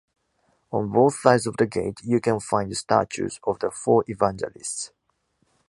On both sides of the gate you can find statues of the four evangelists.